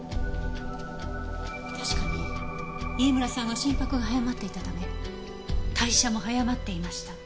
確かに飯村さんは心拍が早まっていたため代謝も早まっていました。